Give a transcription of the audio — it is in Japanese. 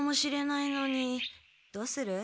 どうする？